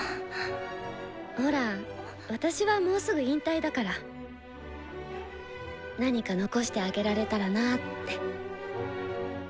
ほら私はもうすぐ引退だから何か残してあげられたらなって。